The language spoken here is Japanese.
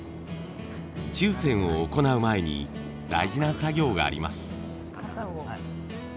注染を行う前に大事な作業があります。